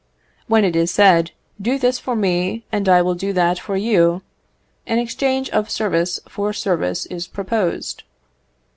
When it is said, "Do this for me, and I will do that for you," an exchange of service for service is proposed.